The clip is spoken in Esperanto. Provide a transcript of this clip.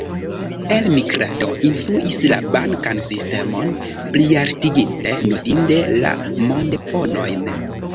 Elmigrado influis la bankan sistemon, plialtiginte notinde la mondeponojn.